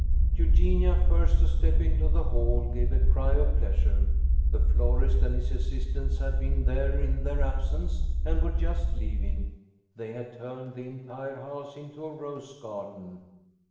Eugenia, first to step into the hall, gave a cry of pleasure. The florist and his assistants had been there in their absence, and were just leaving. They had turned the entire house into a rose garden.